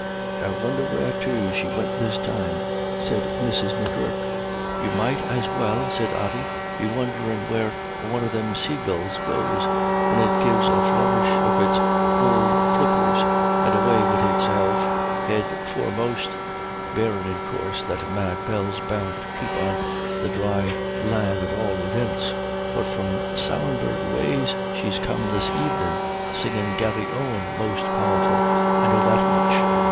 "I won'er where to she wint this time," said Mrs. M'Gurk. "You might as well," said Ody, "be won'erin' where a one of thim saygulls goes, when it gives a flourish of its ould flippers and away wid itself head foremost barrin', in coorse, that Mad Bell's bound to keep on the dhry land at all ivents. But from Sallinbeg ways she come this evenin', singin' 'Garry Owen' most powerful I know that much."